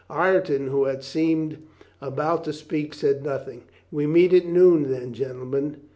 Ireton, who had seemed about to speak, said nothing, "We meet at noon, then, gentlemen."